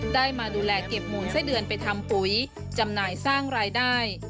ได้มาดูแลเก็บหมูลไส้เดือนไปทำปุ๋ยจำหน่ายสร้างรายได้